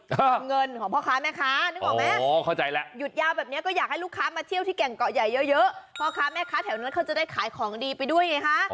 ซึ่งหลังจากขอพรขอโชคขอราบอะไรเสร็จเรียบร้อย